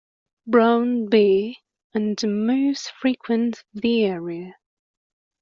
Brown bear and moose frequent the area.